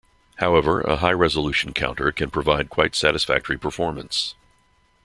However, a high-resolution counter can provide quite satisfactory performance.